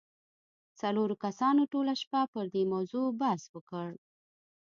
څلورو کسانو ټوله شپه پر دې موضوع بحث وکړ.